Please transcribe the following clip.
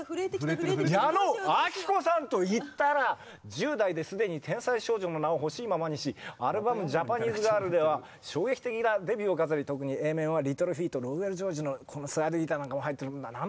１０代で既に天才少女の名をほしいままにしアルバム「ＪＡＰＡＮＥＳＥＧＩＲＬ」では衝撃的なデビューを飾り特にＡ面はリトル・フィートのローウェル・ジョージのスライドギターなんかも入ってるんだな。